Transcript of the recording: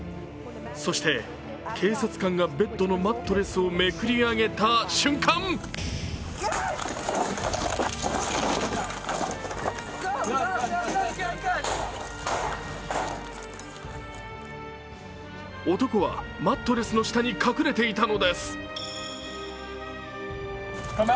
そして、警察官がベッドのマットレスをめくり上げた瞬間男はマットレスの下に隠れていたのです。